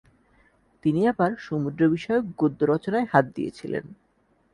তিনি আবার সমুদ্র-বিষয়ক গদ্য রচনায় হাত দিয়েছিলেন।